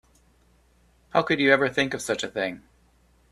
How could you ever think of such a thing?